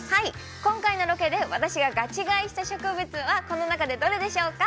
今回のロケで私がガチ買いした植物はこの中でどれでしょうか？